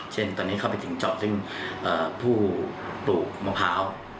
เช่นตอนนี้เข้าไปถึงเจาะซึ่งผู้ปลูกมะพร้าว